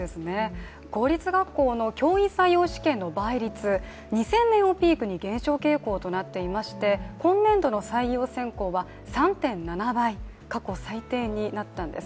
公立学校の教員採用試験の倍率、２０００年をピークに減少傾向となっていまして今年度の採用選考は３．７倍、過去最低になったんです。